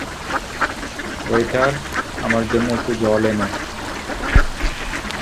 Waiter, আমার জন্য একটু জল এনো।